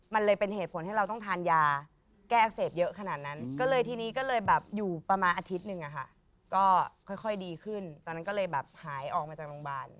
มันเลยเป็นเหตุผลให้เราต้องทานยาแก้อักเสบเยอะขนาดนั้นก็เลยทีนี้ก็เลยแบบอยู่ประมาณอาทิตย์หนึ่งอะค่ะก็ค่อยดีขึ้นตอนนั้นก็เลยแบบหายออกมาจากโรงพยาบาล